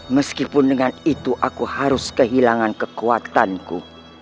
meskipun dengan itu aku harus kehilangan kekuatanku